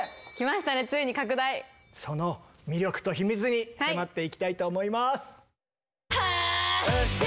その魅力と秘密に迫っていきたいと思います。